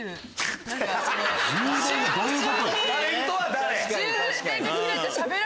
どういうことよ？